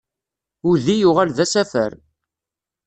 Udi yuɣal d asafar.